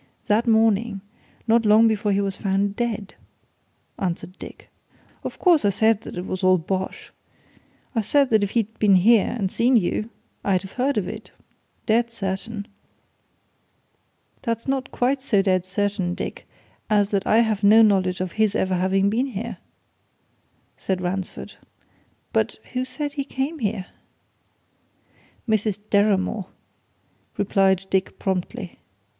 that morning, not long before he was found dead," answered Dick. "Of course, I said that was all bosh! I said that if he'd been here and seen you, I'd have heard of it, dead certain." "That's not quite so dead certain, Dick, as that I have no knowledge of his ever having been here," said Ransford. "But who says he came here?" "Mrs. Deramore," replied Dick promptly.